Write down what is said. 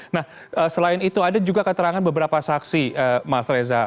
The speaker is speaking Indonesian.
nah selain itu ada juga keterangan beberapa saksi mas reza